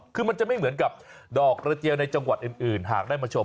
คือมันจะไม่เหมือนกับดอกกระเจียวในจังหวัดอื่นหากได้มาชม